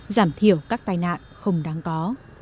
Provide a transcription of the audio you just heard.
giảm thiểu các tai nạn không đáng có